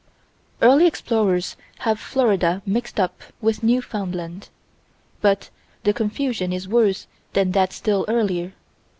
10 Early explorers have Florida mixed up with Newfoundland. But the confusion is worse than that still earlier.